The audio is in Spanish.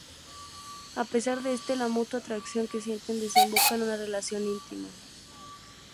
A pesar de esto, la mutua atracción que sienten desemboca en una relación íntima.